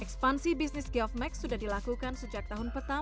ekspansi bisnis geof max sudah dilakukan sejak tahun petang